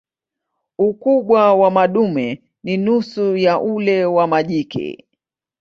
Ukubwa wa madume ni nusu ya ule wa majike.